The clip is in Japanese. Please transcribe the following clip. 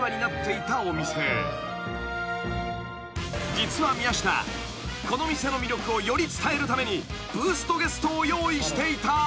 ［実は宮下この店の魅力をより伝えるためにブーストゲストを用意していた］